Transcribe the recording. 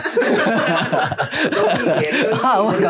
รถขี้เข็น